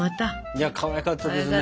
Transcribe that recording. いやかわいかったですね。